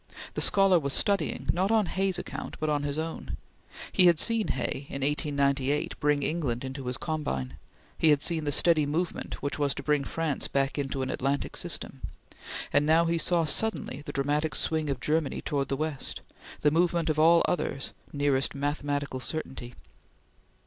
The scholar was studying, not on Hay's account, but on his own. He had seen Hay, in 1898, bring England into his combine; he had seen the steady movement which was to bring France back into an Atlantic system; and now he saw suddenly the dramatic swing of Germany towards the west the movement of all others nearest mathematical certainty.